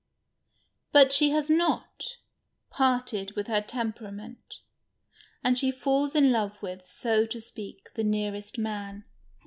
But she has not parted with her temperament, and she falls in love with, so to speak, the nearest man.